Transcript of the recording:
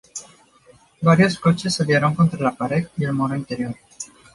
Varios coches salieron contra la pared y el muro interior.